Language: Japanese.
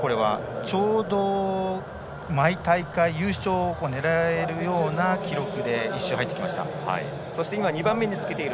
ちょうど毎大会優勝を狙えるような記録で１周に入ってきました。